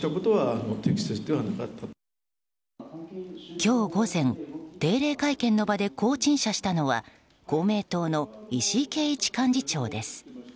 今日午前、定例会見の場でこう陳謝したのは公明党の石井啓一幹事長です。